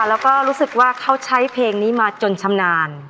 และรู้สึกว่าเค้าชัยเพลงนี้มาจนซาบนาน